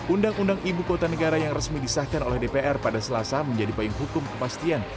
undang undang ibu kota negara yang resmi disahkan oleh dpr pada selasa menjadi payung hukum kepastian